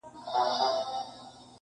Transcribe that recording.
o کلي ورو ورو ارامېږي,